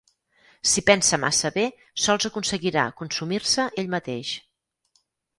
Si pensa massa bé sols aconseguirà consumir-se ell mateix.